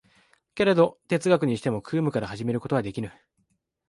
けれど哲学にしても空無から始めることはできぬ。